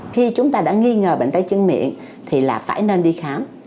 khi chúng ta đã nghi ngờ bệnh tay chân miệng thì là phải nên đi khám